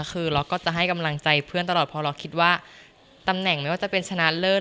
คือเราก็จะให้กำลังใจเพื่อนตลอดพอเราคิดว่าตำแหน่งไม่ว่าจะเป็นชนะเลิศ